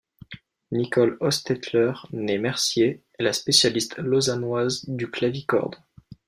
Nicole Hostettler, née Mercier, est la spécialiste lausannoise du clavicorde.